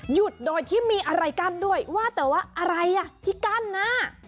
หยุดโดยที่มีอะไรกั้นด้วยว่าแต่ว่าอะไรอ่ะที่กั้นน่ะ